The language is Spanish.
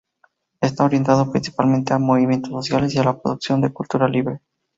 Está orientado principalmente a movimientos sociales y a la producción de cultura libre.